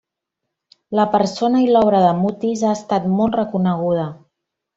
La persona i l'obra de Mutis ha estat molt reconeguda.